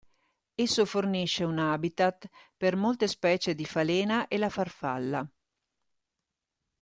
Esso fornisce un habitat per molte specie di falena e la farfalla.